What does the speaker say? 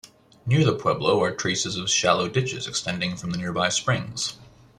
Near the pueblo are traces of shallow ditches extending from the nearby springs.